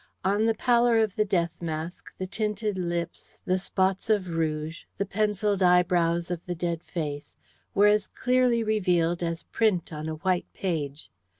On the pallor of the death mask the tinted lips, the spots of rouge, the pencilled eyebrows of the dead face, were as clearly revealed as print on a white page.